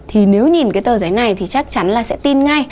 thì nếu nhìn cái tờ giấy này thì chắc chắn là sẽ tin ngay